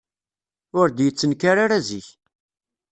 Ur d-yettenkar ara zik.